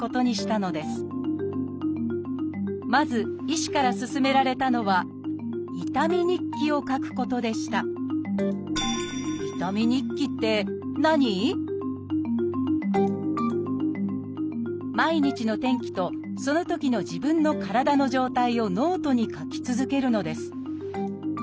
まず医師から勧められたのは「痛み日記」を書くことでした毎日の天気とそのときの自分の体の状態をノートに書き続けるのです。